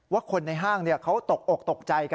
คนในห้างเขาตกอกตกใจกัน